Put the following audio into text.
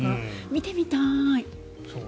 見てみたい！